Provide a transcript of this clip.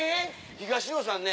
東野さんね